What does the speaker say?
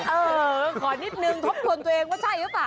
เออขอนิดนึงทบทวนตัวเองว่าใช่หรือเปล่า